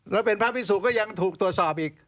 แล้วเป็นพระพิสุก็ยังถูกตรวจสอบอีก